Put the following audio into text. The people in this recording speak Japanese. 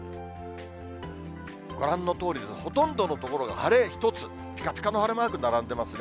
ご覧のとおり、ほとんどの所が晴れ一つ、ぴかぴかの晴れマーク並んでいますね。